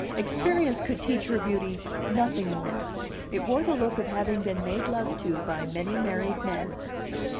Experience could teach her beauty nothing more; it wore the look of having been made love to by many married men.